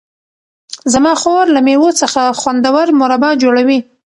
زما خور له مېوو څخه خوندور مربا جوړوي.